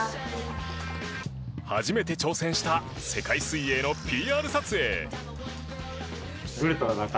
初めて挑戦した世界水泳のＰＲ撮影。